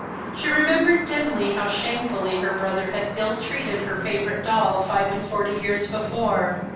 She remembered dimly how shamefully her brother had ill treated her favourite doll five and forty years before.